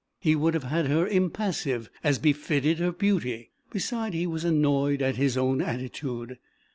He would have had her impassive, as befitted her beauty. Beside, he was annoyed at his own attitude.